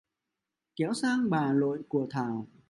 kéo sang bà nội của thảo